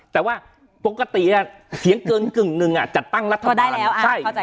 แต่ว่าปกติเสียงเกินกึ่งหนึ่งอ่ะจะตั้งรัฐบาลเพราะได้แล้วอ่ะเข้าใจเข้าใจ